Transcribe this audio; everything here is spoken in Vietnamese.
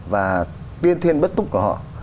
và tiên thiên bất túc của họ